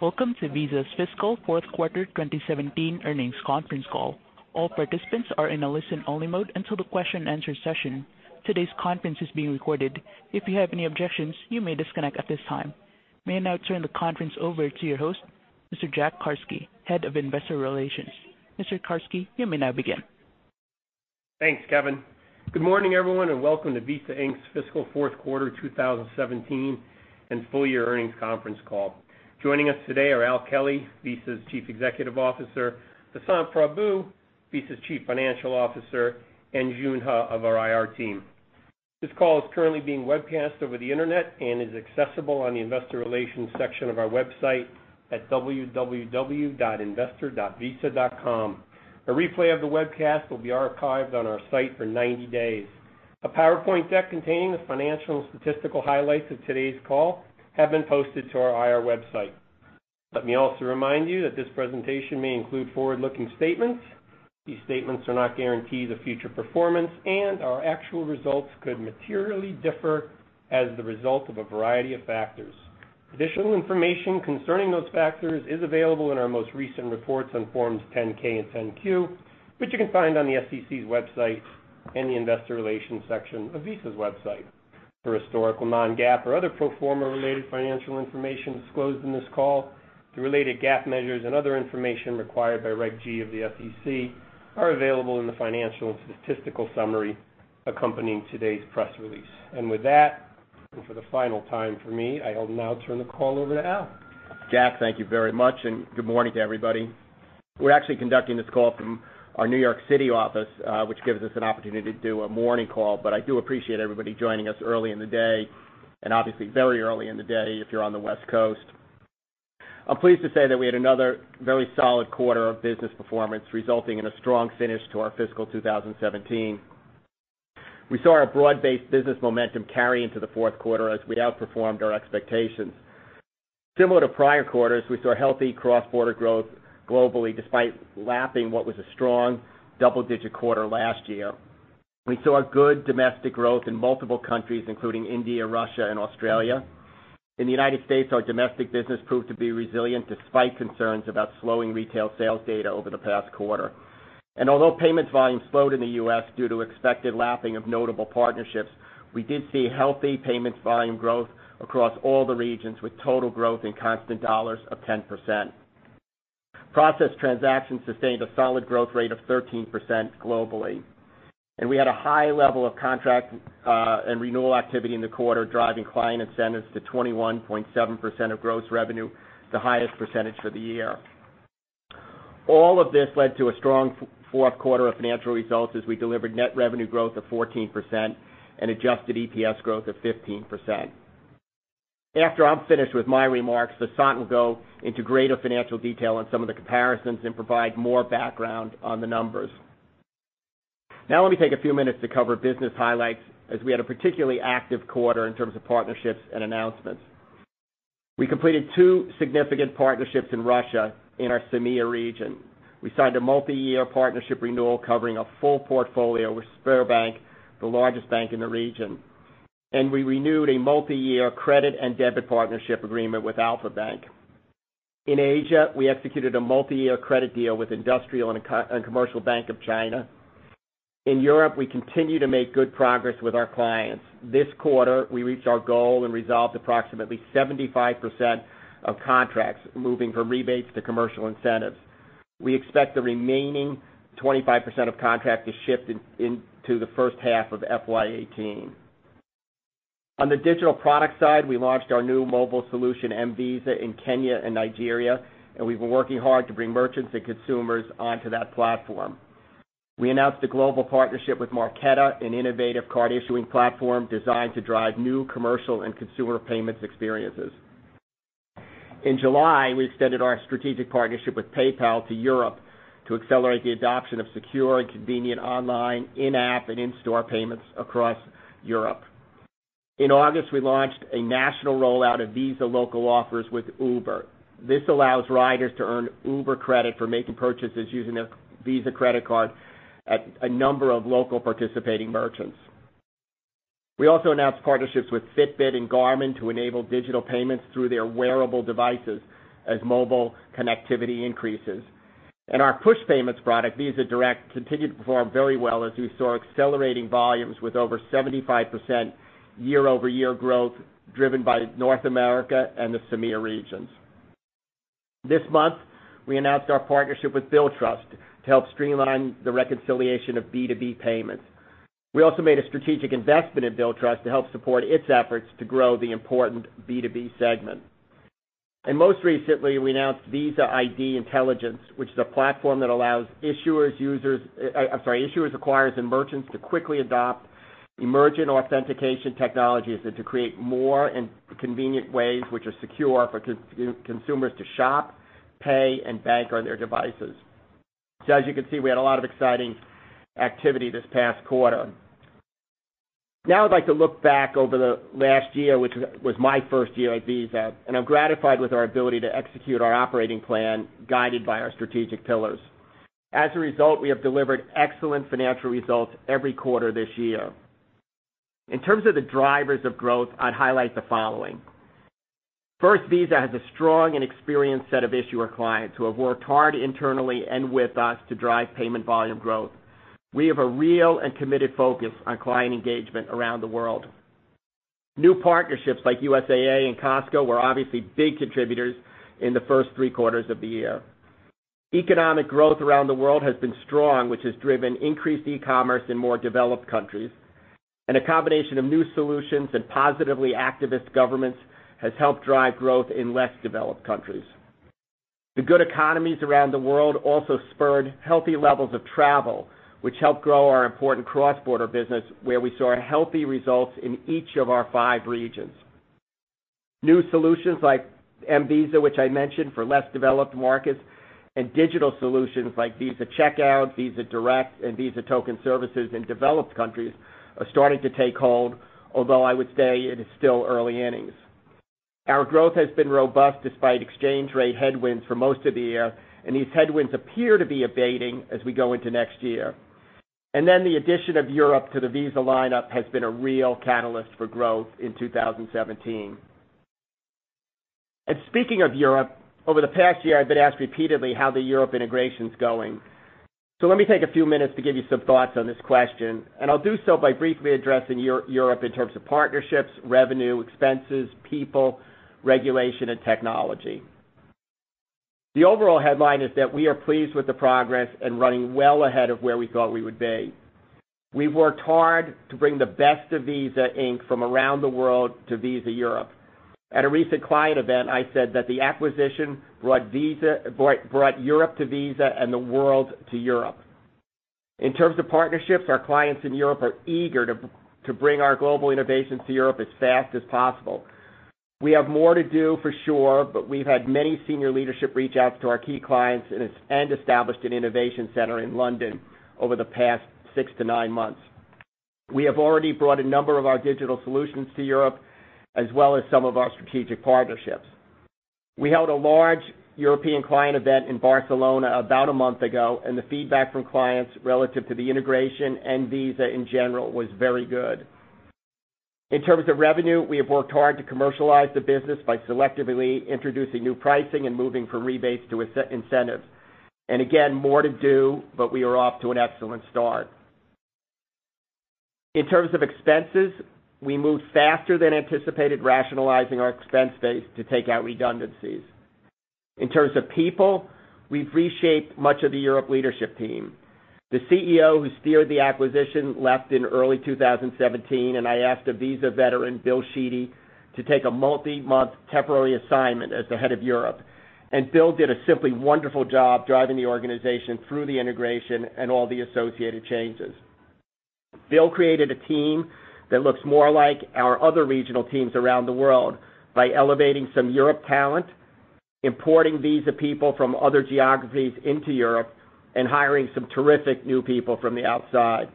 Welcome to Visa's fiscal fourth quarter 2017 earnings conference call. All participants are in a listen-only mode until the question and answer session. Today's conference is being recorded. If you have any objections, you may disconnect at this time. May I now turn the conference over to your host, Mr. Jack Carsky, Head of Investor Relations. Mr. Carsky, you may now begin. Thanks, Kevin. Good morning, everyone, and welcome to Visa Inc.'s fiscal fourth quarter 2017 and full-year earnings conference call. Joining us today are Al Kelly, Visa's Chief Executive Officer, Vasant Prabhu, Visa's Chief Financial Officer, and Joon Huh of our IR team. This call is currently being webcast over the internet and is accessible on the investor relations section of our website at www.investor.visa.com. A replay of the webcast will be archived on our site for 90 days. A PowerPoint deck containing the financial and statistical highlights of today's call have been posted to our IR website. Let me also remind you that this presentation may include forward-looking statements. These statements are not guarantees of future performance, our actual results could materially differ as the result of a variety of factors. Additional information concerning those factors is available in our most recent reports on forms 10-K and 10-Q, which you can find on the SEC's website and the investor relations section of Visa's website. For historical non-GAAP or other pro forma-related financial information disclosed in this call, the related GAAP measures and other information required by Regulation G of the SEC are available in the financial and statistical summary accompanying today's press release. With that, for the final time for me, I will now turn the call over to Al. Jack, thank you very much, good morning to everybody. We're actually conducting this call from our New York City office, which gives us an opportunity to do a morning call, I do appreciate everybody joining us early in the day, obviously very early in the day if you're on the West Coast. I'm pleased to say that we had another very solid quarter of business performance, resulting in a strong finish to our fiscal 2017. We saw our broad-based business momentum carry into the fourth quarter as we outperformed our expectations. Similar to prior quarters, we saw healthy cross-border growth globally, despite lapping what was a strong double-digit quarter last year. We saw good domestic growth in multiple countries, including India, Russia, and Australia. In the United States, our domestic business proved to be resilient despite concerns about slowing retail sales data over the past quarter. Although payments volume slowed in the U.S. due to expected lapping of notable partnerships, we did see healthy payments volume growth across all the regions, with total growth in constant dollars of 10%. Processed transactions sustained a solid growth rate of 13% globally. We had a high level of contract and renewal activity in the quarter, driving client incentives to 21.7% of gross revenue, the highest percentage for the year. All of this led to a strong fourth quarter of financial results as we delivered net revenue growth of 14% and adjusted EPS growth of 15%. After I'm finished with my remarks, Vasant will go into greater financial detail on some of the comparisons and provide more background on the numbers. Let me take a few minutes to cover business highlights, as we had a particularly active quarter in terms of partnerships and announcements. We completed two significant partnerships in Russia in our CEMEA region. We signed a multi-year partnership renewal covering a full portfolio with Sberbank, the largest bank in the region, and we renewed a multi-year credit and debit partnership agreement with Alfa-Bank. In Asia, we executed a multi-year credit deal with Industrial and Commercial Bank of China. In Europe, we continue to make good progress with our clients. This quarter, we reached our goal and resolved approximately 75% of contracts, moving from rebates to commercial incentives. We expect the remaining 25% of contracts to shift into the first half of FY 2018. On the digital product side, we launched our new mobile solution, mVisa, in Kenya and Nigeria, and we've been working hard to bring merchants and consumers onto that platform. We announced a global partnership with Marqeta, an innovative card-issuing platform designed to drive new commercial and consumer payments experiences. In July, we extended our strategic partnership with PayPal to Europe to accelerate the adoption of secure and convenient online, in-app, and in-store payments across Europe. In August, we launched a national rollout of Visa Local Offers with Uber. This allows riders to earn Uber credit for making purchases using their Visa credit card at a number of local participating merchants. We also announced partnerships with Fitbit and Garmin to enable digital payments through their wearable devices as mobile connectivity increases. Our push payments product, Visa Direct, continued to perform very well as we saw accelerating volumes with over 75% year-over-year growth driven by North America and the CEMEA regions. This month, we announced our partnership with Billtrust to help streamline the reconciliation of B2B payments. We also made a strategic investment in Billtrust to help support its efforts to grow the important B2B segment. Most recently, we announced Visa ID Intelligence, which is a platform that allows issuers, acquirers, and merchants to quickly adopt emerging authentication technologies and to create more and convenient ways, which are secure, for consumers to shop, pay, and bank on their devices. As you can see, we had a lot of exciting activity this past quarter. I'd like to look back over the last year, which was my first year at Visa, and I'm gratified with our ability to execute our operating plan guided by our strategic pillars. As a result, we have delivered excellent financial results every quarter this year. In terms of the drivers of growth, I'd highlight the following. First, Visa has a strong and experienced set of issuer clients who have worked hard internally and with us to drive payment volume growth. We have a real and committed focus on client engagement around the world. New partnerships like USAA and Costco were obviously big contributors in the first three quarters of the year. Economic growth around the world has been strong, which has driven increased e-commerce in more developed countries, and a combination of new solutions and positively activist governments has helped drive growth in less developed countries. The good economies around the world also spurred healthy levels of travel, which helped grow our important cross-border business, where we saw healthy results in each of our five regions. New solutions like mVisa, which I mentioned for less developed markets, and digital solutions like Visa Checkout, Visa Direct, and Visa Token Service in developed countries are starting to take hold, although I would say it is still early innings. Our growth has been robust despite exchange rate headwinds for most of the year, and these headwinds appear to be abating as we go into next year. The addition of Europe to the Visa lineup has been a real catalyst for growth in 2017. Speaking of Europe, over the past year, I've been asked repeatedly how the Europe integration's going. Let me take a few minutes to give you some thoughts on this question, and I'll do so by briefly addressing Europe in terms of partnerships, revenue, expenses, people, regulation, and technology. The overall headline is that we are pleased with the progress and running well ahead of where we thought we would be. We've worked hard to bring the best of Visa Inc. from around the world to Visa Europe. At a recent client event, I said that the acquisition brought Europe to Visa and the world to Europe. In terms of partnerships, our clients in Europe are eager to bring our global innovations to Europe as fast as possible. We have more to do, for sure, but we've had many senior leadership reach out to our key clients and established an innovation center in London over the past six to nine months. We have already brought a number of our digital solutions to Europe, as well as some of our strategic partnerships. We held a large European client event in Barcelona about a month ago, the feedback from clients relative to the integration and Visa in general was very good. In terms of revenue, we have worked hard to commercialize the business by selectively introducing new pricing and moving from rebates to incentives. Again, more to do, but we are off to an excellent start. In terms of expenses, we moved faster than anticipated, rationalizing our expense base to take out redundancies. In terms of people, we've reshaped much of the Europe leadership team. The CEO who steered the acquisition left in early 2017, and I asked a Visa veteran, Bill Sheedy, to take a multi-month temporary assignment as the head of Europe. Bill did a simply wonderful job driving the organization through the integration and all the associated changes. Bill created a team that looks more like our other regional teams around the world by elevating some Europe talent, importing Visa people from other geographies into Europe, and hiring some terrific new people from the outside.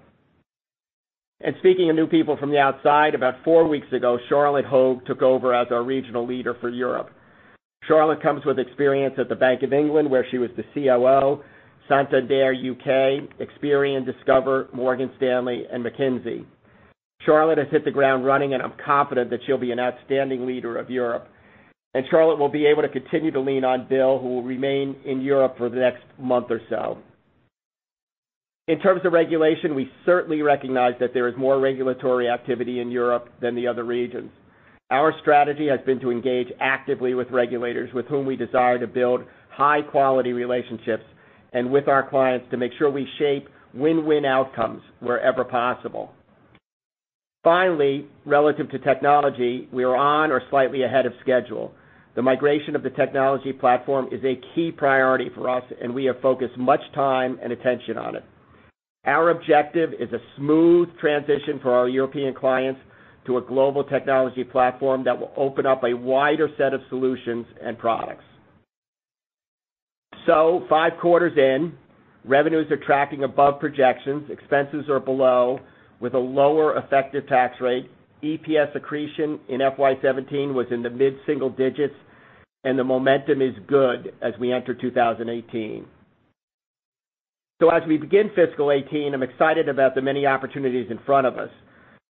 Speaking of new people from the outside, about four weeks ago, Charlotte Hogg took over as our regional leader for Europe. Charlotte comes with experience at the Bank of England, where she was the COO, Santander UK, Experian, Discover, Morgan Stanley, and McKinsey. Charlotte has hit the ground running, and I'm confident that she'll be an outstanding leader of Europe. Charlotte will be able to continue to lean on Bill, who will remain in Europe for the next month or so. In terms of regulation, we certainly recognize that there is more regulatory activity in Europe than the other regions. Our strategy has been to engage actively with regulators with whom we desire to build high-quality relationships and with our clients to make sure we shape win-win outcomes wherever possible. Finally, relative to technology, we are on or slightly ahead of schedule. The migration of the technology platform is a key priority for us, and we have focused much time and attention on it. Our objective is a smooth transition for our European clients to a global technology platform that will open up a wider set of solutions and products. five quarters in, revenues are tracking above projections, expenses are below with a lower effective tax rate. EPS accretion in FY 2017 was in the mid-single digits, and the momentum is good as we enter 2018. As we begin fiscal 2018, I'm excited about the many opportunities in front of us.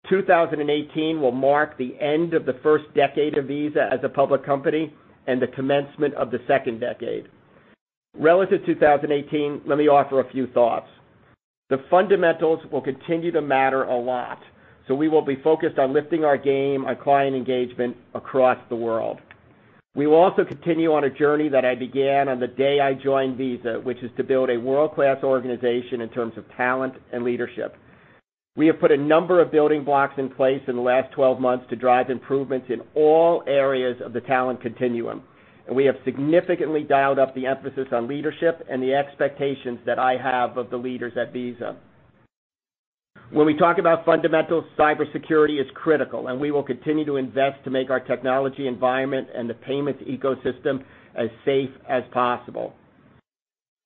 2018 will mark the end of the first decade of Visa as a public company and the commencement of the second decade. Relative to 2018, let me offer a few thoughts. The fundamentals will continue to matter a lot, we will be focused on lifting our game, our client engagement across the world. We will also continue on a journey that I began on the day I joined Visa, which is to build a world-class organization in terms of talent and leadership. We have put a number of building blocks in place in the last 12 months to drive improvements in all areas of the talent continuum, and we have significantly dialed up the emphasis on leadership and the expectations that I have of the leaders at Visa. When we talk about fundamentals, cybersecurity is critical, and we will continue to invest to make our technology environment and the payments ecosystem as safe as possible.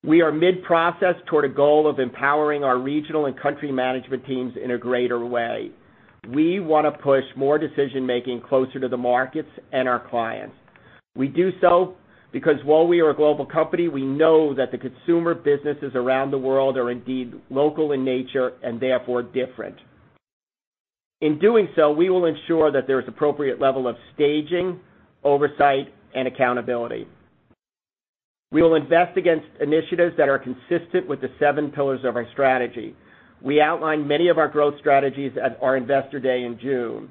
We are mid-process toward a goal of empowering our regional and country management teams in a greater way. We want to push more decision-making closer to the markets and our clients. We do so because, while we are a global company, we know that the consumer businesses around the world are indeed local in nature and therefore different. In doing so, we will ensure that there is appropriate level of staging, oversight, and accountability. We will invest against initiatives that are consistent with the seven pillars of our strategy. We outlined many of our growth strategies at our investor day in June.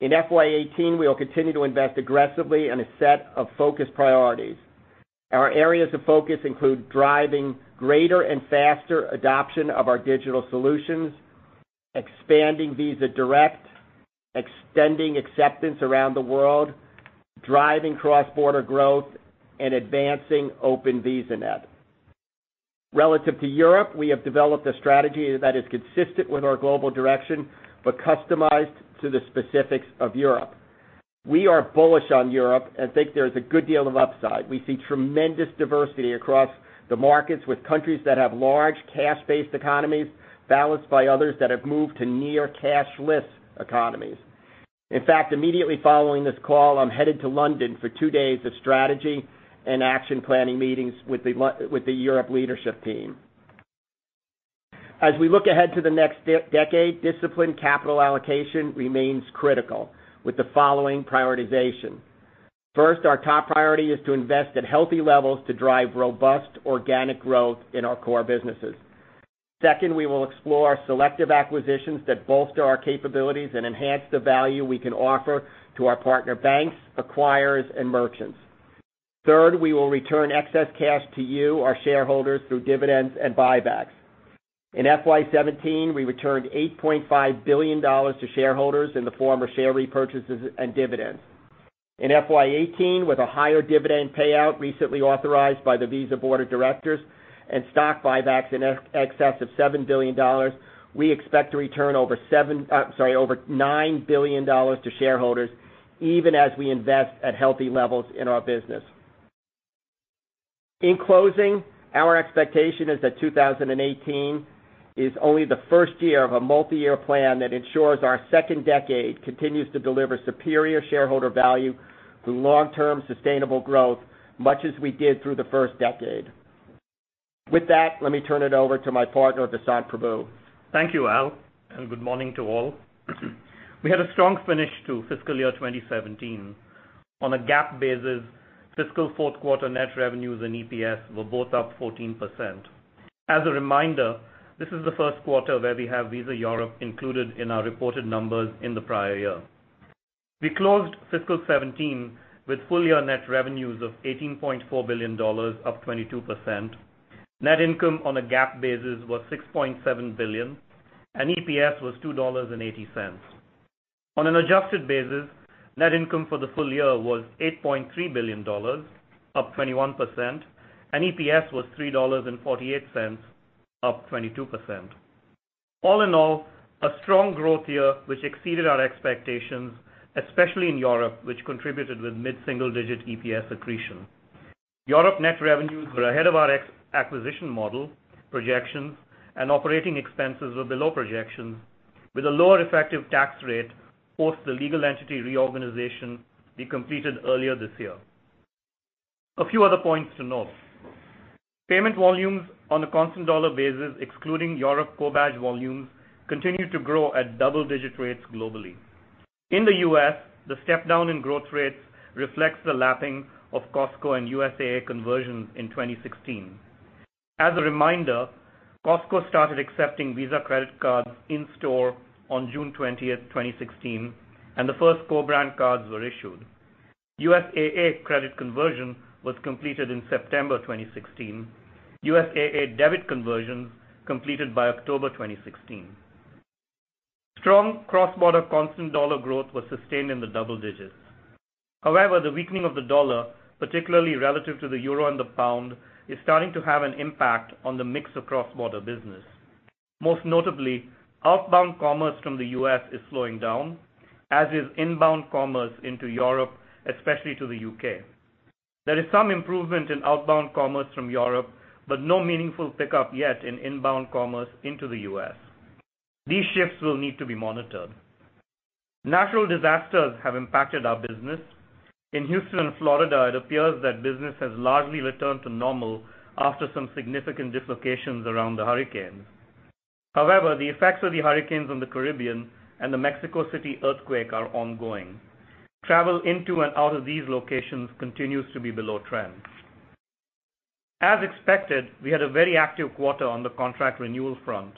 In FY 2018, we will continue to invest aggressively in a set of focused priorities. Our areas of focus include driving greater and faster adoption of our digital solutions, expanding Visa Direct, extending acceptance around the world, driving cross-border growth, and advancing Open VisaNet. Relative to Europe, we have developed a strategy that is consistent with our global direction but customized to the specifics of Europe. We are bullish on Europe and think there is a good deal of upside. We see tremendous diversity across the markets with countries that have large cash-based economies, balanced by others that have moved to near cashless economies. In fact, immediately following this call, I am headed to London for two days of strategy and action planning meetings with the Europe leadership team. As we look ahead to the next decade, disciplined capital allocation remains critical, with the following prioritization. First, our top priority is to invest at healthy levels to drive robust organic growth in our core businesses. Second, we will explore selective acquisitions that bolster our capabilities and enhance the value we can offer to our partner banks, acquirers, and merchants. Third, we will return excess cash to you, our shareholders, through dividends and buybacks. In FY 2017, we returned $8.5 billion to shareholders in the form of share repurchases and dividends. In FY 2018, with a higher dividend payout recently authorized by the Visa board of directors and stock buybacks in excess of $7 billion, we expect to return over $9 billion to shareholders even as we invest at healthy levels in our business. In closing, our expectation is that 2018 is only the first year of a multi-year plan that ensures our second decade continues to deliver superior shareholder value through long-term sustainable growth, much as we did through the first decade. With that, let me turn it over to my partner, Vasant Prabhu. Thank you, Al, and good morning to all. We had a strong finish to fiscal year 2017. On a GAAP basis, fiscal fourth quarter net revenues and EPS were both up 14%. As a reminder, this is the first quarter where we have Visa Europe included in our reported numbers in the prior year. We closed fiscal 2017 with full-year net revenues of $18.4 billion, up 22%. Net income on a GAAP basis was $6.7 billion, and EPS was $2.80. On an adjusted basis, net income for the full year was $8.3 billion, up 21%, and EPS was $3.48, up 22%. All in all, a strong growth year, which exceeded our expectations, especially in Europe, which contributed with mid-single-digit EPS accretion. Europe net revenues were ahead of our acquisition model projections and operating expenses were below projections with a lower effective tax rate post the legal entity reorganization we completed earlier this year. A few other points to note. Payment volumes on a constant dollar basis, excluding Europe co-badge volumes, continue to grow at double-digit rates globally. In the U.S., the step down in growth rates reflects the lapping of Costco and USAA conversions in 2016. As a reminder, Costco started accepting Visa credit cards in-store on June 20th, 2016, and the first co-brand cards were issued. USAA credit conversion was completed in September 2016. USAA debit conversions completed by October 2016. Strong cross-border constant dollar growth was sustained in the double digits. However, the weakening of the dollar, particularly relative to the EUR and the GBP, is starting to have an impact on the mix of cross-border business. Most notably, outbound commerce from the U.S. is slowing down, as is inbound commerce into Europe, especially to the U.K. There is some improvement in outbound commerce from Europe, but no meaningful pickup yet in inbound commerce into the U.S. These shifts will need to be monitored. Natural disasters have impacted our business. In Houston and Florida, it appears that business has largely returned to normal after some significant dislocations around the hurricanes. However, the effects of the hurricanes on the Caribbean and the Mexico City earthquake are ongoing. Travel into and out of these locations continues to be below trend. As expected, we had a very active quarter on the contract renewal front.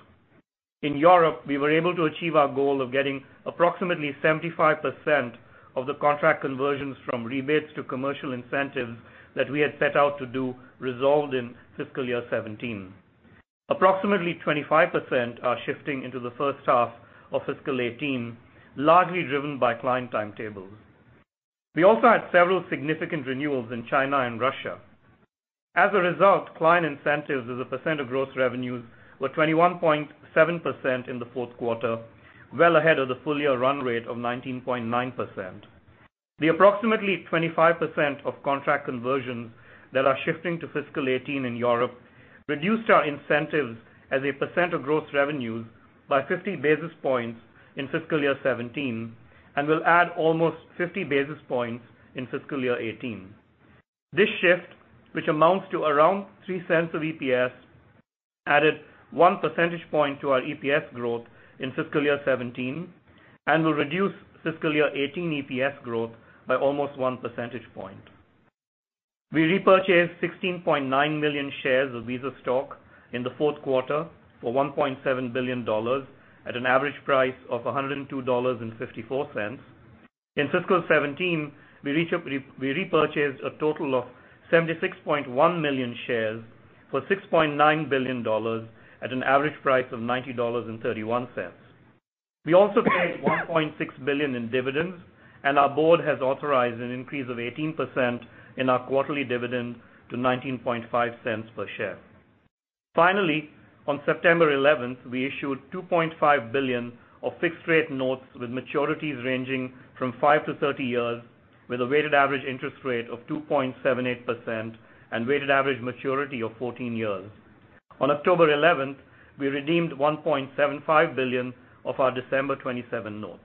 In Europe, we were able to achieve our goal of getting approximately 75% of the contract conversions from rebates to commercial incentives that we had set out to do resolved in fiscal year 2017. Approximately 25% are shifting into the first half of fiscal 2018, largely driven by client timetables. We also had several significant renewals in China and Russia. As a result, client incentives as a percent of gross revenues were 21.7% in the fourth quarter, well ahead of the full-year run rate of 19.9%. The approximately 25% of contract conversions that are shifting to fiscal 2018 in Europe reduced our incentives as a percent of gross revenues by 50 basis points in fiscal year 2017, and will add almost 50 basis points in fiscal year 2018. This shift, which amounts to around $0.03 of EPS, added one percentage point to our EPS growth in fiscal year 2017 and will reduce fiscal year 2018 EPS growth by almost one percentage point. We repurchased 16.9 million shares of Visa stock in the fourth quarter for $1.7 billion at an average price of $102.54. In fiscal 2017, we repurchased a total of 76.1 million shares for $6.9 billion at an average price of $90.31. We also paid $1.6 billion in dividends, and our board has authorized an increase of 18% in our quarterly dividend to $0.195 per share. Finally, on September 11th, we issued $2.5 billion of fixed rate notes with maturities ranging from 5 to 30 years, with a weighted average interest rate of 2.78% and weighted average maturity of 14 years. On October 11th, we redeemed $1.75 billion of our December 27 notes.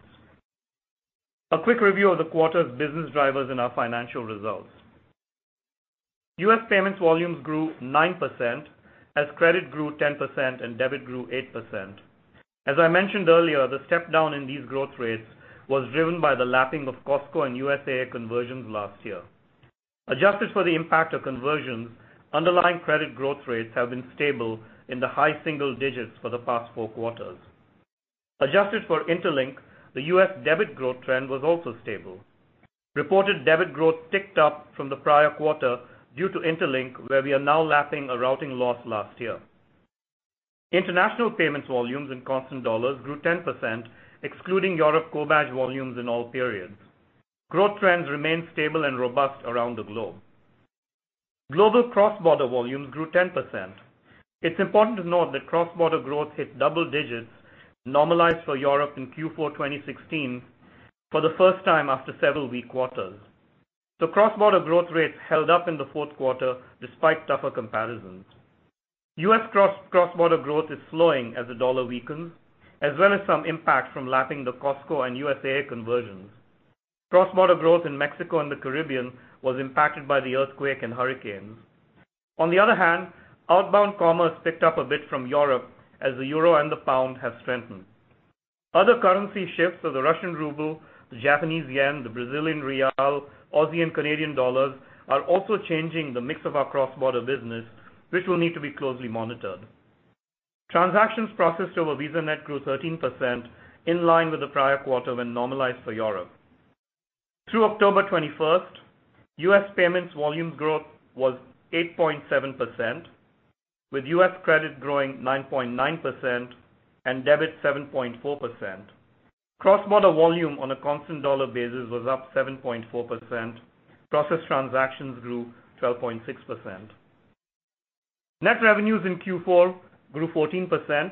A quick review of the quarter's business drivers and our financial results. U.S. payments volumes grew 9% as credit grew 10% and debit grew 8%. As I mentioned earlier, the step down in these growth rates was driven by the lapping of Costco and USAA conversions last year. Adjusted for the impact of conversions, underlying credit growth rates have been stable in the high single digits for the past four quarters. Adjusted for Interlink, the U.S. debit growth trend was also stable. Reported debit growth ticked up from the prior quarter due to Interlink, where we are now lapping a routing loss last year. International payments volumes in constant dollars grew 10%, excluding Europe co-badge volumes in all periods. Growth trends remain stable and robust around the globe. Global cross-border volumes grew 10%. It's important to note that cross-border growth hit double digits normalized for Europe in Q4 2016 for the first time after several weak quarters. Cross-border growth rates held up in the fourth quarter despite tougher comparisons. U.S. cross-border growth is slowing as the dollar weakens, as well as some impact from lapping the Costco and USAA conversions. Cross-border growth in Mexico and the Caribbean was impacted by the earthquake and hurricanes. On the other hand, outbound commerce ticked up a bit from Europe as the euro and the pound have strengthened. Other currency shifts of the Russian ruble, the Japanese yen, the Brazilian real, Aussie and Canadian dollars are also changing the mix of our cross-border business, which will need to be closely monitored. Transactions processed over VisaNet grew 13%, in line with the prior quarter when normalized for Europe. Through October 21st, U.S. payments volume growth was 8.7%, with U.S. credit growing 9.9% and debit 7.4%. Cross-border volume on a constant dollar basis was up 7.4%. Processed transactions grew 12.6%. Net revenues in Q4 grew 14%.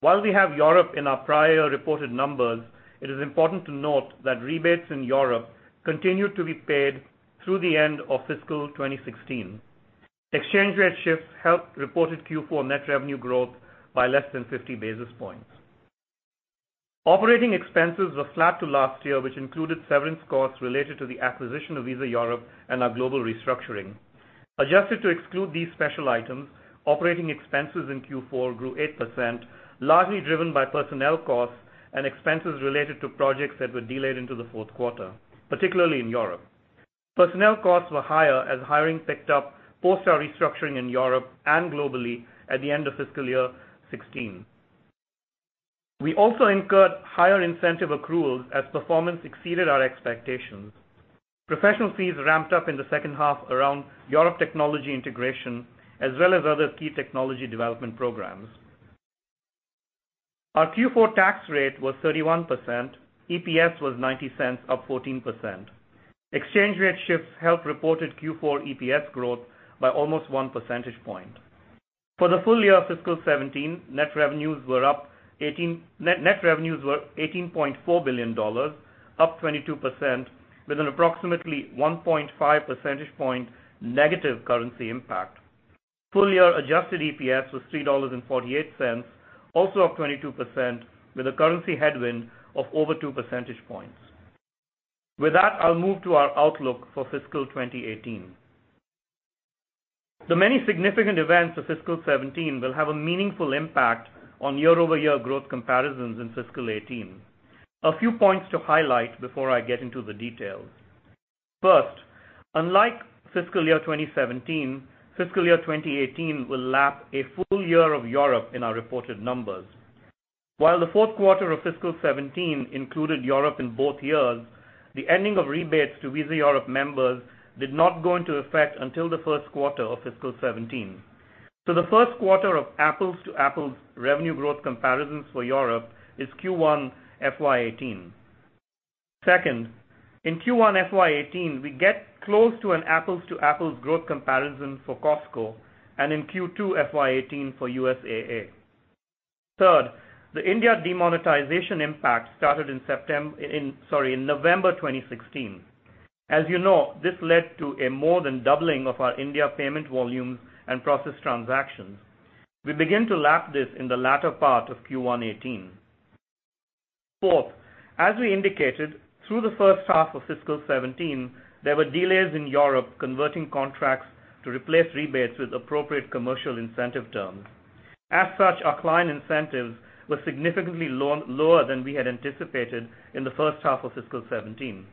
While we have Europe in our prior reported numbers, it is important to note that rebates in Europe continued to be paid through the end of fiscal 2016. Exchange rate shifts helped reported Q4 net revenue growth by less than 50 basis points. Operating expenses were flat to last year, which included severance costs related to the acquisition of Visa Europe and our global restructuring. Adjusted to exclude these special items, operating expenses in Q4 grew 8%, largely driven by personnel costs and expenses related to projects that were delayed into the fourth quarter, particularly in Europe. Personnel costs were higher as hiring picked up post our restructuring in Europe and globally at the end of fiscal year 2016. We also incurred higher incentive accruals as performance exceeded our expectations. Professional fees ramped up in the second half around Europe technology integration, as well as other key technology development programs. Our Q4 tax rate was 31%. EPS was $0.90, up 14%. Exchange rate shifts helped reported Q4 EPS growth by almost one percentage point. For the full year of FY 2017, net revenues were $18.4 billion, up 22%, with an approximately 1.5 percentage point negative currency impact. Full-year adjusted EPS was $3.48, also up 22%, with a currency headwind of over two percentage points. With that, I'll move to our outlook for fiscal 2018. The many significant events of FY 2017 will have a meaningful impact on year-over-year growth comparisons in FY 2018. A few points to highlight before I get into the details. First, unlike fiscal year 2017, fiscal year 2018 will lap a full year of Europe in our reported numbers. While the fourth quarter of FY 2017 included Europe in both years, the ending of rebates to Visa Europe members did not go into effect until the first quarter of FY 2017. The first quarter of apples-to-apples revenue growth comparisons for Europe is Q1 FY 2018. Second, in Q1 FY 2018, we get close to an apples-to-apples growth comparison for Costco and in Q2 FY 2018 for USAA. Third, the India demonetization impact started in November 2016. As you know, this led to a more than doubling of our India payment volumes and processed transactions. We begin to lap this in the latter part of Q1 2018. Fourth, as we indicated through the first half of fiscal 2017, there were delays in Europe converting contracts to replace rebates with appropriate commercial incentive terms. As such, our client incentives were significantly lower than we had anticipated in the first half of fiscal 2017.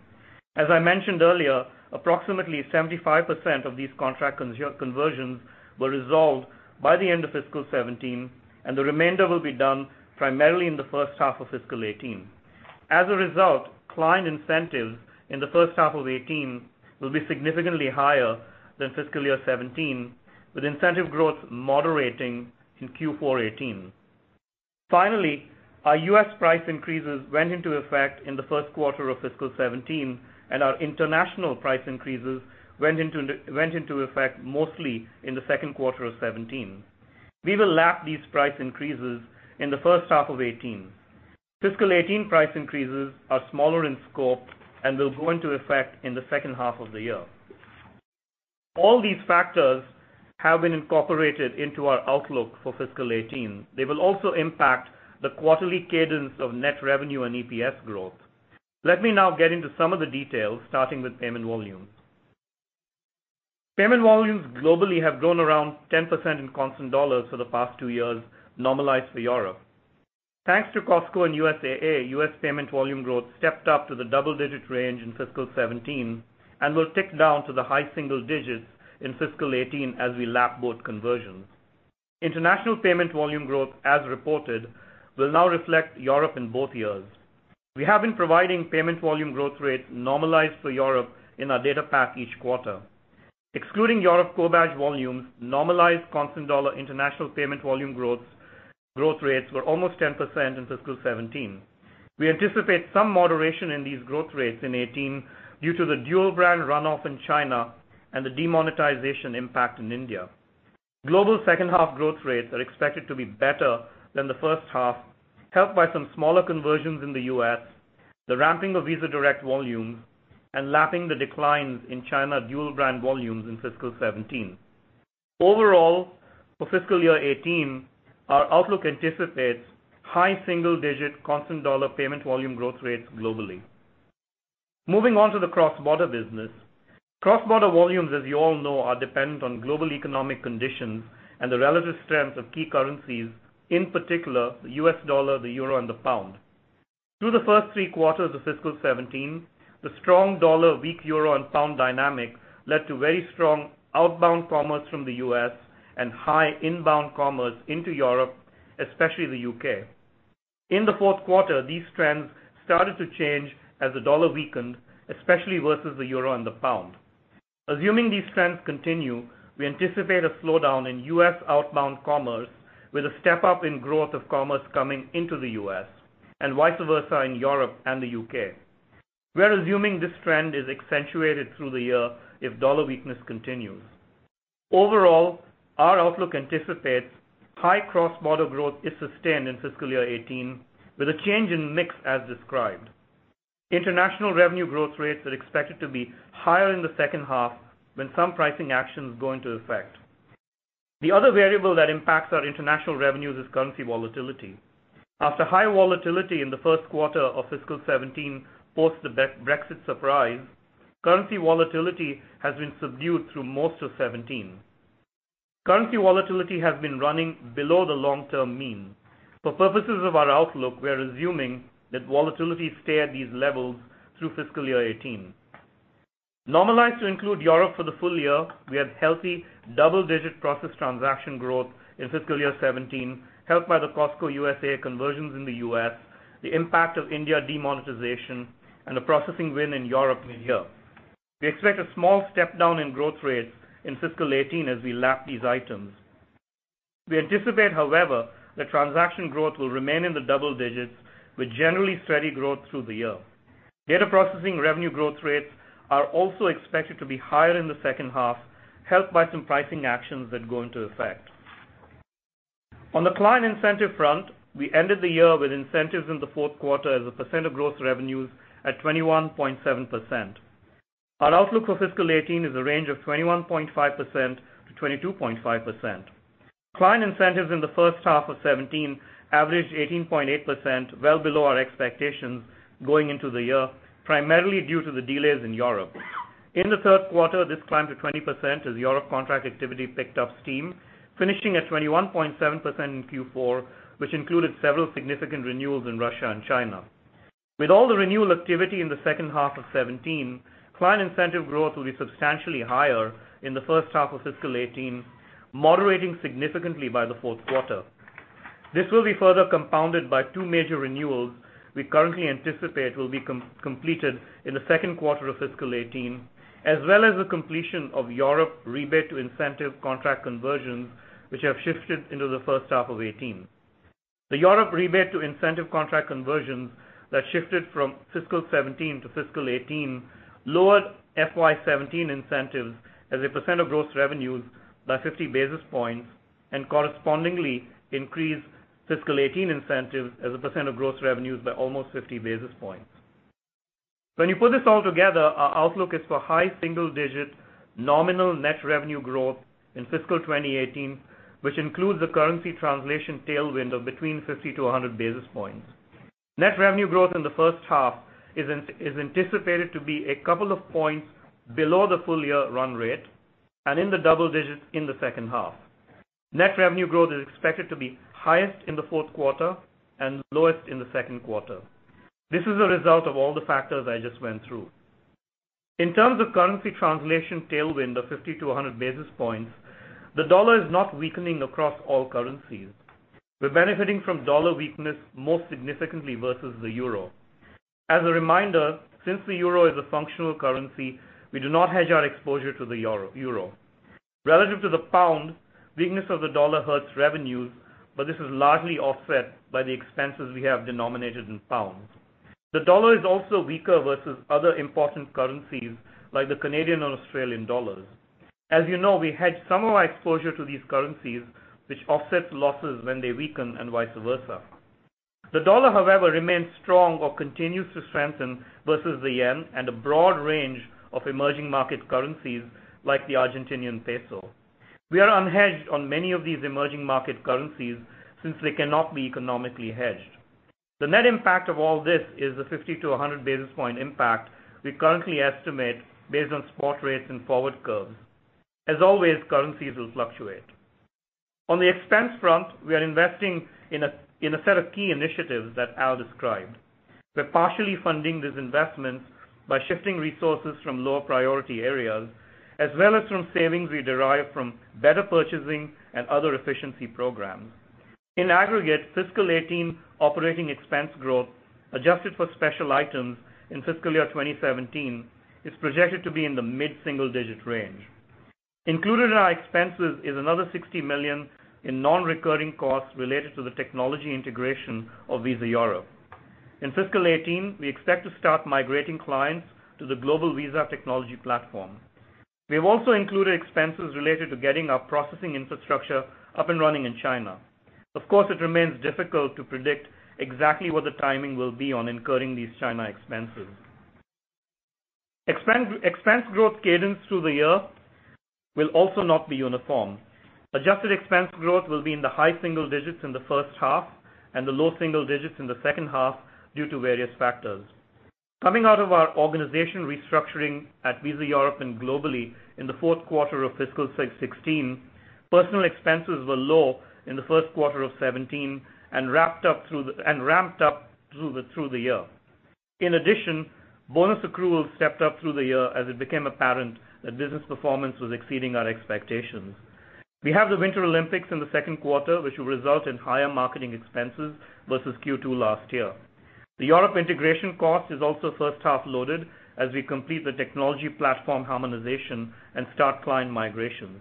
As I mentioned earlier, approximately 75% of these contract conversions were resolved by the end of fiscal 2017, and the remainder will be done primarily in the first half of fiscal 2018. As a result, client incentives in the first half of 2018 will be significantly higher than fiscal year 2017, with incentive growth moderating in Q4 2018. Finally, our U.S. price increases went into effect in the first quarter of fiscal 2017, and our international price increases went into effect mostly in the second quarter of 2017. We will lap these price increases in the first half of 2018. Fiscal 2018 price increases are smaller in scope and will go into effect in the second half of the year. All these factors have been incorporated into our outlook for fiscal 2018. They will also impact the quarterly cadence of net revenue and EPS growth. Let me now get into some of the details, starting with payment volumes. Payment volumes globally have grown around 10% in constant dollars for the past two years, normalized for Europe. Thanks to Costco and USAA, U.S. payment volume growth stepped up to the double-digit range in fiscal 2017 and will tick down to the high single digits in fiscal 2018 as we lap both conversions. International payment volume growth as reported will now reflect Europe in both years. We have been providing payment volume growth rates normalized for Europe in our data pack each quarter. Excluding Europe co-badged volumes, normalized constant dollar international payment volume growth rates were almost 10% in fiscal 2017. We anticipate some moderation in these growth rates in 2018 due to the dual-brand runoff in China and the demonetization impact in India. Global second half growth rates are expected to be better than the first half, helped by some smaller conversions in the U.S., the ramping of Visa Direct volumes, and lapping the declines in China dual-brand volumes in fiscal 2017. Overall, for fiscal year 2018, our outlook anticipates high single-digit constant dollar payment volume growth rates globally. Moving on to the cross-border business. Cross-border volumes, as you all know, are dependent on global economic conditions and the relative strength of key currencies, in particular, the U.S. dollar, the euro, and the pound. Through the first three quarters of fiscal 2017, the strong dollar, weak euro and pound dynamic led to very strong outbound commerce from the U.S. and high inbound commerce into Europe, especially the U.K. In the fourth quarter, these trends started to change as the dollar weakened, especially versus the euro and the pound. Assuming these trends continue, we anticipate a slowdown in U.S. outbound commerce with a step-up in growth of commerce coming into the U.S. and vice versa in Europe and the U.K. We're assuming this trend is accentuated through the year if dollar weakness continues. Overall, our outlook anticipates high cross-border growth is sustained in fiscal year 2018 with a change in mix as described. International revenue growth rates are expected to be higher in the second half when some pricing actions go into effect. The other variable that impacts our international revenues is currency volatility. After high volatility in the first quarter of fiscal 2017 post the Brexit surprise, currency volatility has been subdued through most of 2017. Currency volatility has been running below the long-term mean. For purposes of our outlook, we are assuming that volatility stay at these levels through fiscal year 2018. Normalized to include Europe for the full year, we had healthy double-digit processed transaction growth in fiscal year 2017, helped by the Costco USAA conversions in the U.S., the impact of India demonetization, and the processing win in Europe mid-year. We expect a small step-down in growth rates in fiscal 2018 as we lap these items. We anticipate, however, that transaction growth will remain in the double digits with generally steady growth through the year. Data processing revenue growth rates are also expected to be higher in the second half, helped by some pricing actions that go into effect. On the client incentive front, we ended the year with incentives in the fourth quarter as a percent of gross revenues at 21.7%. Our outlook for fiscal 2018 is a range of 21.5%-22.5%. Client incentives in the first half of 2017 averaged 18.8%, well below our expectations going into the year, primarily due to the delays in Europe. In the third quarter, this climbed to 20% as Europe contract activity picked up steam, finishing at 21.7% in Q4, which included several significant renewals in Russia and China. With all the renewal activity in the second half of 2017, client incentive growth will be substantially higher in the first half of fiscal 2018, moderating significantly by the fourth quarter. This will be further compounded by two major renewals we currently anticipate will be completed in the second quarter of fiscal 2018, as well as the completion of Europe rebate to incentive contract conversions, which have shifted into the first half of 2018. The Europe rebate to incentive contract conversions that shifted from fiscal 2017 to fiscal 2018 lowered FY 2017 incentives as a percent of gross revenues by 50 basis points and correspondingly increased fiscal 2018 incentives as a percent of gross revenues by almost 50 basis points. When you put this all together, our outlook is for high single-digit nominal net revenue growth in fiscal 2018, which includes the currency translation tailwind of between 50-100 basis points. Net revenue growth in the first half is anticipated to be a couple of points below the full-year run rate, and in the double digits in the second half. Net revenue growth is expected to be highest in the fourth quarter and lowest in the second quarter. This is a result of all the factors I just went through. In terms of currency translation tailwind of 50-100 basis points, the dollar is not weakening across all currencies. We're benefiting from dollar weakness most significantly versus the euro. As a reminder, since the euro is a functional currency, we do not hedge our exposure to the euro. Relative to the pound, weakness of the dollar hurts revenues, but this is largely offset by the expenses we have denominated in pounds. The dollar is also weaker versus other important currencies, like the Canadian or Australian dollars. As you know, we hedge some of our exposure to these currencies, which offsets losses when they weaken and vice versa. The dollar, however, remains strong or continues to strengthen versus the yen and a broad range of emerging market currencies like the Argentinian peso. We are unhedged on many of these emerging market currencies since they cannot be economically hedged. The net impact of all this is a 50-100 basis point impact we currently estimate based on spot rates and forward curves. As always, currencies will fluctuate. On the expense front, we are investing in a set of key initiatives that Al described. We're partially funding these investments by shifting resources from lower priority areas, as well as from savings we derive from better purchasing and other efficiency programs. In aggregate, fiscal 2018 operating expense growth, adjusted for special items in fiscal 2017, is projected to be in the mid-single digit range. Included in our expenses is another $60 million in non-recurring costs related to the technology integration of Visa Europe. In fiscal 2018, we expect to start migrating clients to the global Visa technology platform. We have also included expenses related to getting our processing infrastructure up and running in China. Of course, it remains difficult to predict exactly what the timing will be on incurring these China expenses. Expense growth cadence through the year will also not be uniform. Adjusted expense growth will be in the high single digits in the first half and the low single digits in the second half due to various factors. Coming out of our organization restructuring at Visa Europe and globally in the fourth quarter of fiscal 2016, personal expenses were low in the first quarter of 2017 and ramped up through the year. In addition, bonus accruals stepped up through the year as it became apparent that business performance was exceeding our expectations. We have the Winter Olympics in the second quarter, which will result in higher marketing expenses versus Q2 last year. The Europe integration cost is also first-half loaded as we complete the technology platform harmonization and start client migration.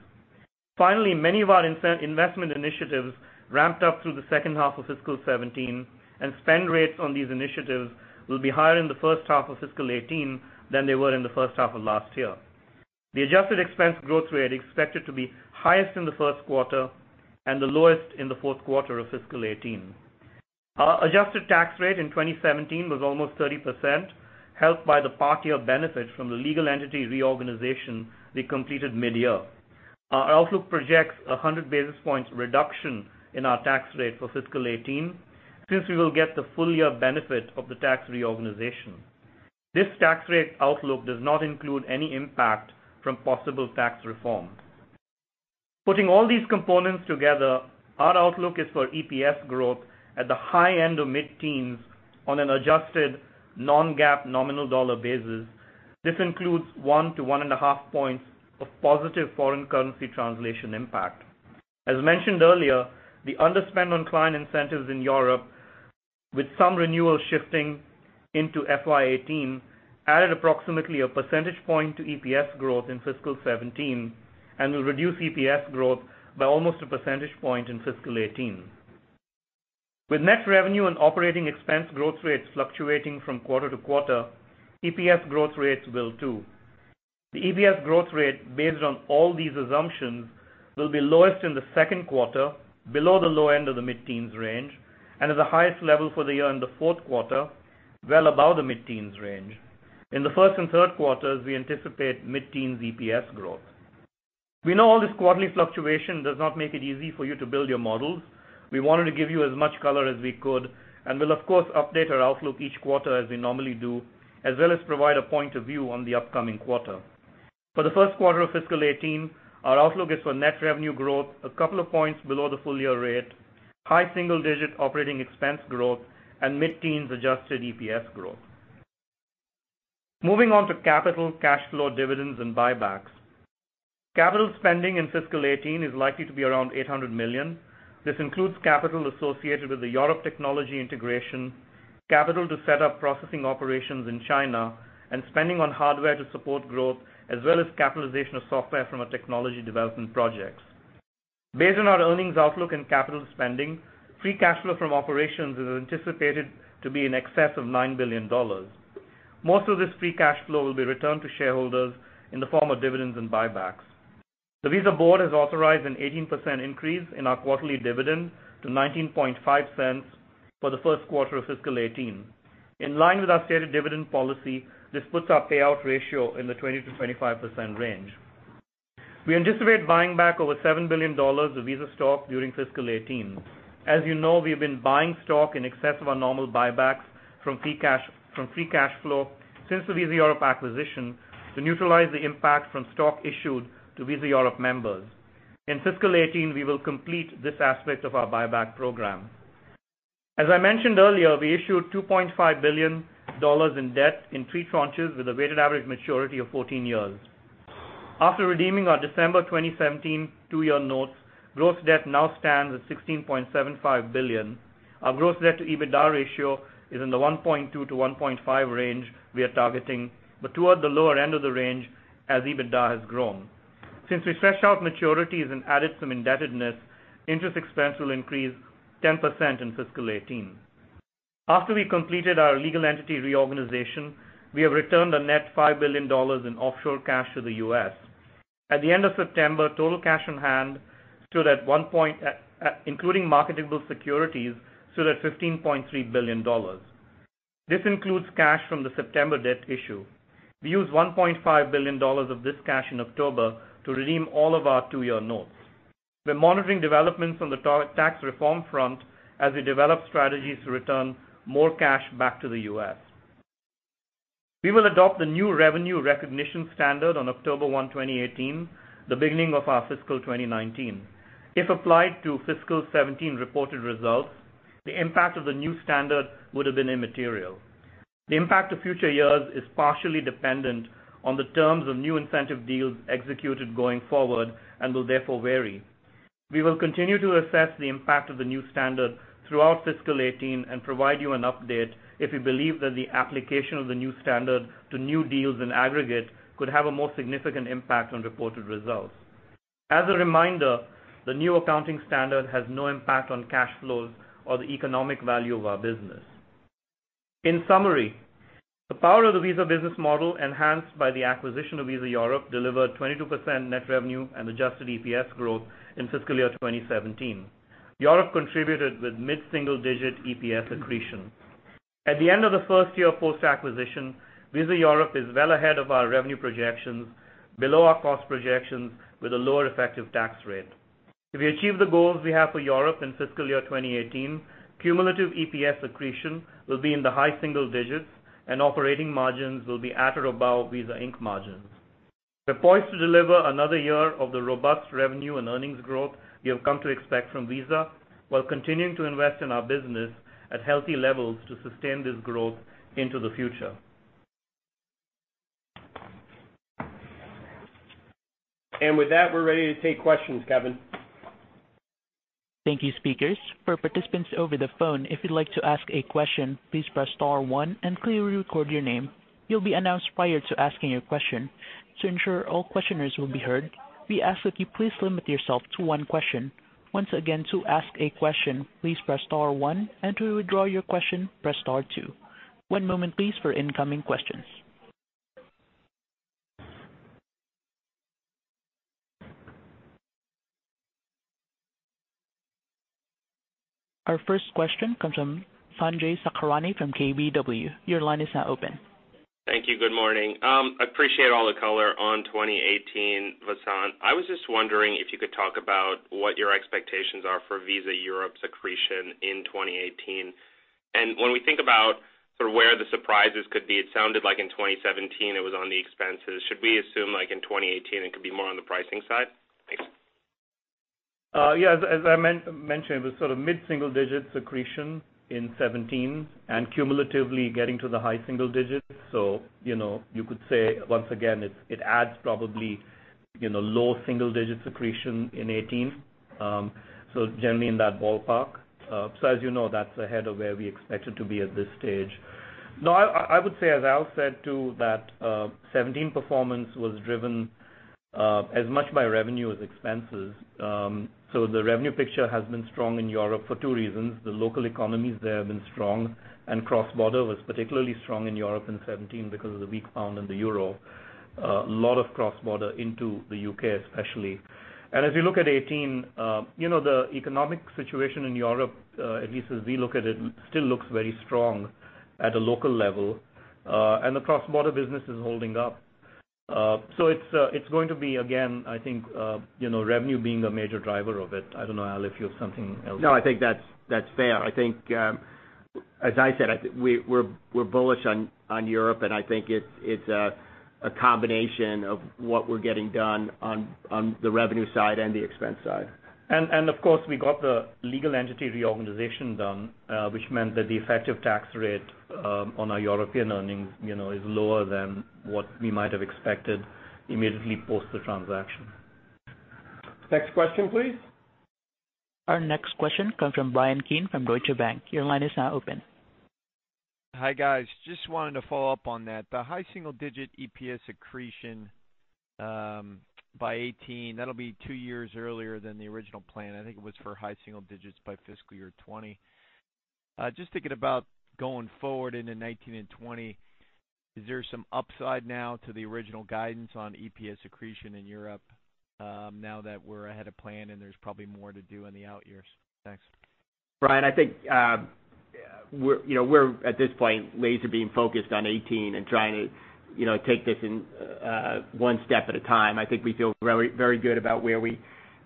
Many of our investment initiatives ramped up through the second half of fiscal 2017, and spend rates on these initiatives will be higher in the first half of fiscal 2018 than they were in the first half of last year. The adjusted expense growth rate expected to be highest in the first quarter and the lowest in the fourth quarter of fiscal 2018. Our adjusted tax rate in 2017 was almost 30%, helped by the partial benefit from the legal entity reorganization we completed mid-year. Our outlook projects a 100 basis points reduction in our tax rate for fiscal 2018, since we will get the full-year benefit of the tax reorganization. This tax rate outlook does not include any impact from possible tax reform. Putting all these components together, our outlook is for EPS growth at the high end of mid-teens on an adjusted non-GAAP nominal dollar basis. This includes one to one and a half points of positive foreign currency translation impact. As mentioned earlier, the underspend on client incentives in Europe with some renewals shifting into FY 2018, added approximately a percentage point to EPS growth in fiscal 2017 and will reduce EPS growth by almost a percentage point in fiscal 2018. With net revenue and operating expense growth rates fluctuating from quarter to quarter, EPS growth rates will too. The EPS growth rate based on all these assumptions will be lowest in the second quarter, below the low end of the mid-teens range, and at the highest level for the year in the fourth quarter, well above the mid-teens range. In the first and third quarters, we anticipate mid-teens EPS growth. We know all this quarterly fluctuation does not make it easy for you to build your models. We wanted to give you as much color as we could, we'll of course update our outlook each quarter as we normally do, as well as provide a point of view on the upcoming quarter. For the first quarter of fiscal 2018, our outlook is for net revenue growth a couple of points below the full-year rate, high single-digit operating expense growth, mid-teens adjusted EPS growth. Moving on to capital, cash flow, dividends, and buybacks. Capital spending in fiscal 2018 is likely to be around $800 million. This includes capital associated with the Europe technology integration, capital to set up processing operations in China, spending on hardware to support growth, as well as capitalization of software from our technology development projects. Based on our earnings outlook and capital spending, free cash flow from operations is anticipated to be in excess of $9 billion. Most of this free cash flow will be returned to shareholders in the form of dividends and buybacks. The Visa board has authorized an 18% increase in our quarterly dividend to $0.195 for the first quarter of fiscal 2018. In line with our stated dividend policy, this puts our payout ratio in the 20%-25% range. We anticipate buying back over $7 billion of Visa stock during fiscal 2018. As you know, we've been buying stock in excess of our normal buybacks from free cash flow since the Visa Europe acquisition to neutralize the impact from stock issued to Visa Europe members. In fiscal 2018, we will complete this aspect of our buyback program. As I mentioned earlier, we issued $2.5 billion in debt in three tranches with a weighted average maturity of 14 years. After redeeming our December 2017 two-year notes, gross debt now stands at $16.75 billion. Our gross debt to EBITDA ratio is in the 1.2-1.5 range we are targeting, but toward the lower end of the range as EBITDA has grown. Since we stretched out maturities and added some indebtedness, interest expense will increase 10% in fiscal 2018. After we completed our legal entity reorganization, we have returned a net $5 billion in offshore cash to the U.S. At the end of September, total cash on hand, including marketable securities, stood at $15.3 billion. This includes cash from the September debt issue. We used $1.5 billion of this cash in October to redeem all of our two-year notes. We're monitoring developments on the tax reform front as we develop strategies to return more cash back to the U.S. We will adopt the new revenue recognition standard on October 1, 2018, the beginning of our fiscal 2019. If applied to fiscal 2017 reported results, the impact of the new standard would've been immaterial. The impact to future years is partially dependent on the terms of new incentive deals executed going forward and will therefore vary. We will continue to assess the impact of the new standard throughout fiscal 2018 and provide you an update if we believe that the application of the new standard to new deals in aggregate could have a more significant impact on reported results. As a reminder, the new accounting standard has no impact on cash flows or the economic value of our business. In summary, the power of the Visa business model, enhanced by the acquisition of Visa Europe, delivered 22% net revenue and adjusted EPS growth in fiscal year 2017. Europe contributed with mid-single-digit EPS accretion. At the end of the first year post-acquisition, Visa Europe is well ahead of our revenue projections, below our cost projections, with a lower effective tax rate. If we achieve the goals we have for Europe in fiscal year 2018, cumulative EPS accretion will be in the high single digits, and operating margins will be at or above Visa Inc. margins. We're poised to deliver another year of the robust revenue and earnings growth you have come to expect from Visa, while continuing to invest in our business at healthy levels to sustain this growth into the future. With that, we're ready to take questions, Kevin. Thank you, speakers. For participants over the phone, if you'd like to ask a question, please press star one and clearly record your name. You'll be announced prior to asking your question. To ensure all questioners will be heard, we ask that you please limit yourself to one question. Once again, to ask a question, please press star one, and to withdraw your question, press star two. One moment, please, for incoming questions. Our first question comes from Sanjay Sakhrani from KBW. Your line is now open. Thank you. Good morning. I appreciate all the color on 2018, Vasant. I was just wondering if you could talk about what your expectations are for Visa Europe's accretion in 2018. When we think about sort of where the surprises could be, it sounded like in 2017 it was on the expenses. Should we assume, like in 2018, it could be more on the pricing side? Thanks. As I mentioned, it was sort of mid-single-digit accretion in 2017, cumulatively getting to the high single digits. You could say, once again, it adds probably low single digits accretion in 2018. Generally in that ballpark. As you know, that's ahead of where we expected to be at this stage. I would say, as Al said, too, that 2017 performance was driven as much by revenue as expenses. The revenue picture has been strong in Europe for two reasons. The local economies there have been strong, and cross-border was particularly strong in Europe in 2017 because of the weak pound and the euro. A lot of cross-border into the U.K., especially. As you look at 2018, the economic situation in Europe, at least as we look at it, still looks very strong at a local level. The cross-border business is holding up. It's going to be, again, I think, revenue being a major driver of it. I don't know, Al, if you have something else. I think that's fair. I think, as I said, we're bullish on Europe, I think it's a combination of what we're getting done on the revenue side and the expense side. Of course, we got the legal entity reorganization done, which meant that the effective tax rate on our European earnings is lower than what we might have expected immediately post the transaction. Next question, please. Our next question comes from Bryan Keane from Deutsche Bank. Your line is now open. Hi, guys. Just wanted to follow up on that. The high single-digit EPS accretion by FY 2018, that'll be two years earlier than the original plan. I think it was for high single digits by fiscal year 2020. Just thinking about going forward into FY 2019 and FY 2020, is there some upside now to the original guidance on EPS accretion in Europe now that we're ahead of plan and there's probably more to do in the out years? Thanks. Bryan, I think we're at this point laser being focused on 2018 and trying to take this one step at a time. I think we feel very good about where we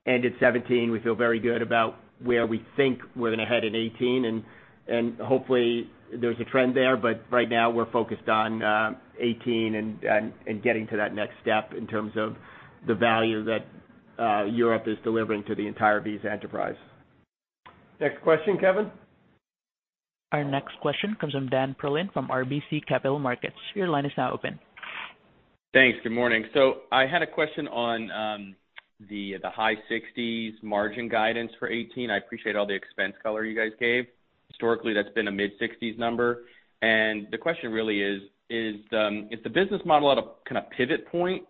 ended 2017. We feel very good about where we think we're going to head in 2018, and hopefully there's a trend there. But right now we're focused on 2018 and getting to that next step in terms of the value that Europe is delivering to the entire Visa enterprise. Next question, Kevin. Our next question comes from Dan Perlin from RBC Capital Markets. Your line is now open. Thanks. Good morning. I had a question on the high 60s margin guidance for 2018. I appreciate all the expense color you guys gave. Historically, that's been a mid-60s number. And the question really is the business model at a kind of pivot point,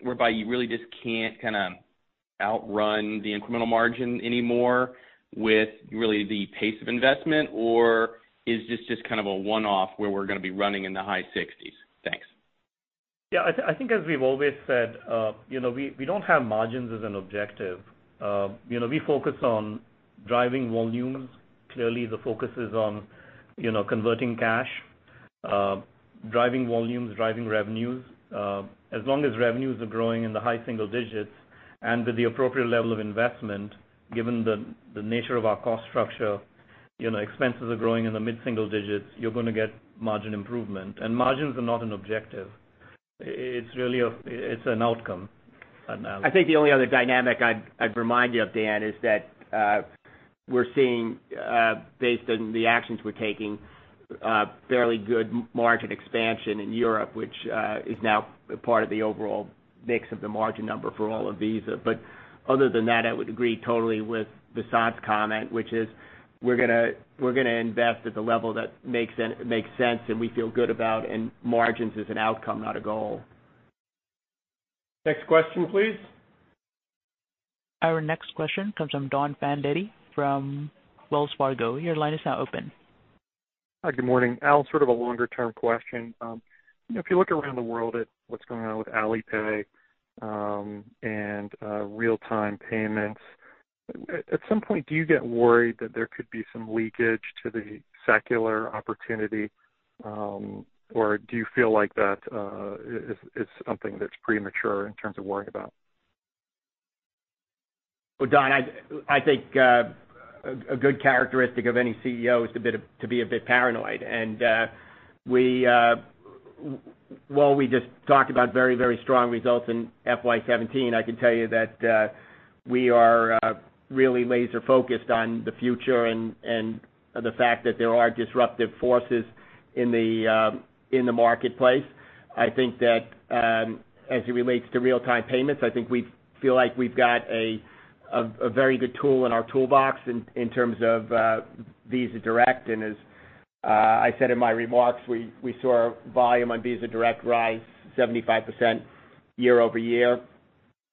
whereby you really just can't outrun the incremental margin anymore with really the pace of investment? Or is this just kind of a one-off where we're going to be running in the high 60s? Thanks. I think as we've always said, we don't have margins as an objective. We focus on driving volumes. Clearly, the focus is on converting cash, driving volumes, driving revenues. As long as revenues are growing in the high single digits and with the appropriate level of investment, given the nature of our cost structure, expenses are growing in the mid-single digits, you're going to get margin improvement. Margins are not an objective. It's an outcome. I think the only other dynamic I'd remind you of, Dan, is that we're seeing based on the actions we're taking, fairly good margin expansion in Europe, which is now part of the overall mix of the margin number for all of Visa. Other than that, I would agree totally with Vasant's comment, which is we're going to invest at the level that makes sense, and we feel good about, and margins is an outcome, not a goal. Next question, please. Our next question comes from Don Fandetti from Wells Fargo. Your line is now open. Hi, good morning. Al, sort of a longer-term question. If you look around the world at what's going on with Alipay and real-time payments, at some point, do you get worried that there could be some leakage to the secular opportunity? Do you feel like that is something that's premature in terms of worrying about? Well, Don, I think a good characteristic of any CEO is to be a bit paranoid. While we just talked about very strong results in FY 2017, I can tell you that we are really laser-focused on the future and the fact that there are disruptive forces in the marketplace. I think that as it relates to real-time payments, I think we feel like we've got a very good tool in our toolbox in terms of Visa Direct. As I said in my remarks, we saw our volume on Visa Direct rise 75% year-over-year.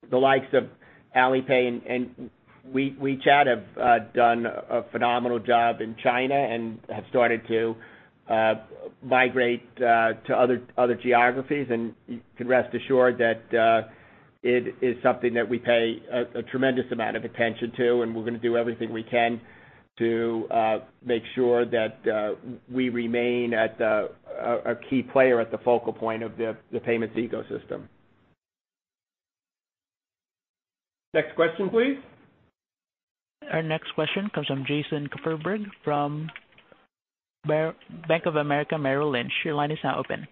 The likes of Alipay and WeChat have done a phenomenal job in China and have started to migrate to other geographies. You can rest assured that it is something that we pay a tremendous amount of attention to, and we're going to do everything we can to make sure that we remain a key player at the focal point of the payments ecosystem. Next question, please. Our next question comes from Jason Kupferberg from Bank of America Merrill Lynch. Your line is now open.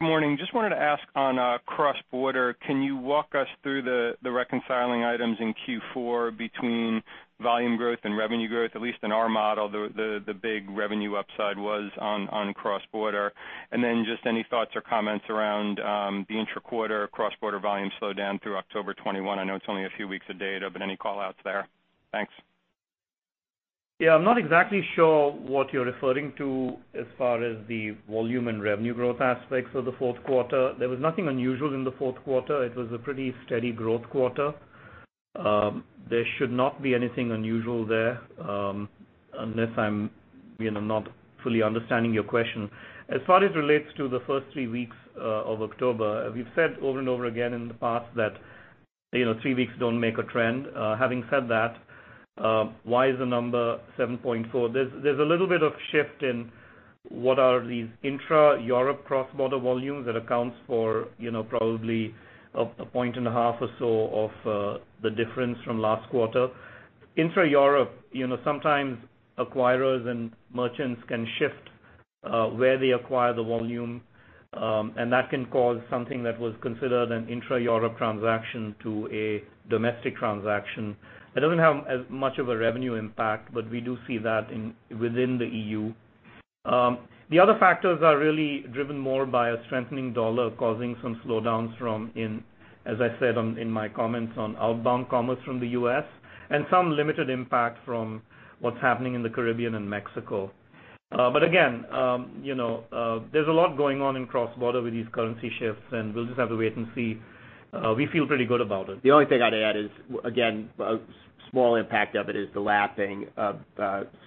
Morning. Just wanted to ask on cross-border, can you walk us through the reconciling items in Q4 between volume growth and revenue growth? At least in our model, the big revenue upside was on cross-border. Just any thoughts or comments around the intra-quarter cross-border volume slowdown through October 21. I know it's only a few weeks of data, but any call-outs there? Thanks. I'm not exactly sure what you're referring to as far as the volume and revenue growth aspects of the fourth quarter. There was nothing unusual in the fourth quarter. It was a pretty steady growth quarter. There should not be anything unusual there, unless I'm not fully understanding your question. As far as it relates to the first three weeks of October, we've said over and over again in the past that three weeks don't make a trend. Having said that, why is the number 7.4? There's a little bit of shift in what are these Intra-Europe cross-border volumes that accounts for probably a point and a half or so of the difference from last quarter. Intra-Europe, sometimes acquirers and merchants can shift where they acquire the volume, and that can cause something that was considered an Intra-Europe transaction to a domestic transaction. It doesn't have as much of a revenue impact, but we do see that within the EU. The other factors are really driven more by a strengthening dollar causing some slowdowns from in, as I said in my comments on outbound commerce from the U.S., and some limited impact from what's happening in the Caribbean and Mexico. Again, there's a lot going on in cross-border with these currency shifts, and we'll just have to wait and see. We feel pretty good about it. The only thing I'd add is, again, a small impact of it is the lapping of